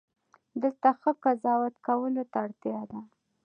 دلته ښه قضاوت کولو ته اړتیا ده.